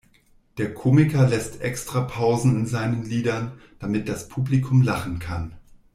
Der Komiker lässt extra Pausen in seinen Liedern, damit das Publikum lachen kann.